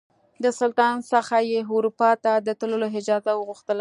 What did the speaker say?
د سلطان څخه یې اروپا ته د تللو اجازه وغوښتله.